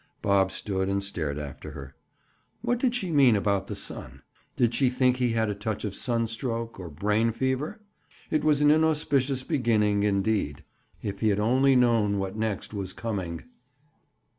Bob stood and stared after her. What did she mean about the sun? Did she think he had a touch of sunstroke, or brain fever? It was an inauspicious beginning, indeed. If he had only known what next was coming!